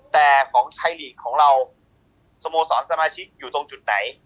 แต่ของไทยลีกของเราสโมสรสมาชิกอยู่ตรงจุดไหน